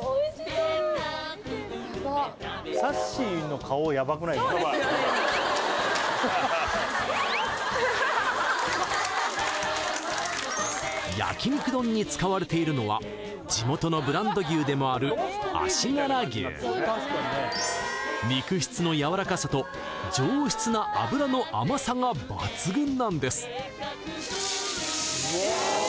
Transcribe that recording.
おいしそうヤバッヤバイヤバイ焼肉丼に使われているのは地元のブランド牛でもある肉質の柔らかさと上質な脂の甘さが抜群なんです